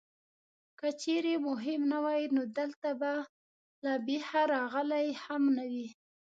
که چېرې مهم نه وای نو دلته به له بېخه راغلی هم نه وې.